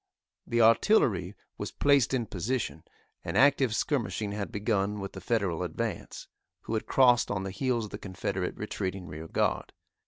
The artillery was placed in position, and active skirmishing had begun with the Federal advance, who had crossed on the heels of the Confederate retreating rear guard.